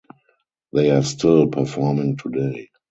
They are still performing today.